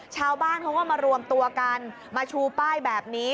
ชาวบ้านเขาก็มารวมตัวกันมาชูป้ายแบบนี้